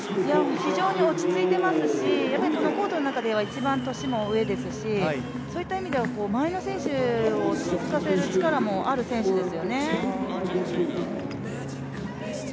非常に落ち着いていますしコートの中では一番年も上ですしそういった意味では周りの選手を落ち着かせる力もある選手ですよね。